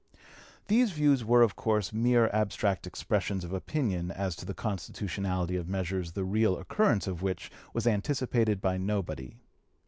These views were of course mere abstract expressions of opinion as to the constitutionality of measures the real occurrence of which was anticipated by nobody.